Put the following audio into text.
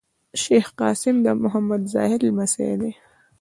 شېخ قاسم د محمد زاهد لمسی دﺉ.